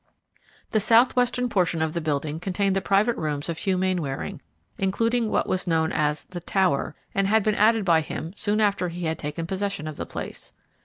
The southwestern portion of the building contained the private rooms of Hugh Mainwaring, including what was known as the "tower," and had been added by him soon after he had taken possession of the place.